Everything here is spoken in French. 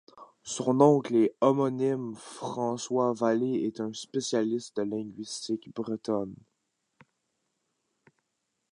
Son oncle et homonyme François Vallée est un spécialiste de linguistique bretonne.